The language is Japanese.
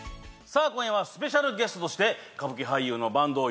さあ今夜はスペシャルゲストとして歌舞伎俳優の坂東